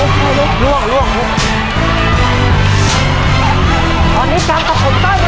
ขุมอยู่ข้างล่างของลูก